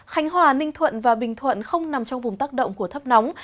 khánh hòa ninh thuận và bình thuận không nằm trong vùng tác động của thấp nóng